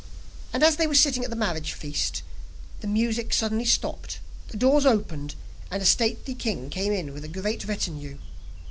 And as they were sitting at the marriage feast, the music suddenly stopped, the doors opened, and a stately king came in with a great retinue.